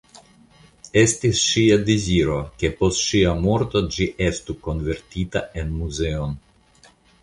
Estis ŝia deziro ke post ŝia morto ĝi estu konvertita en muzeon.